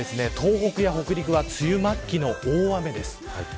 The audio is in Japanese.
こちらはまだ東北や北陸は梅雨末期の大雨です。